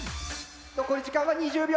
残り時間は２０秒。